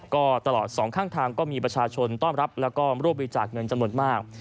ก็ตลอดสองข้างทางก็มีประชาชนต้อนรับแล้วก็รวบบริจาคเงินจำนวนมาก